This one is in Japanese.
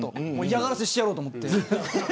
嫌がらせしてやろうと思って。